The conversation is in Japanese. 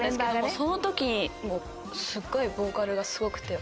その時もすっごいボーカルがすごくて。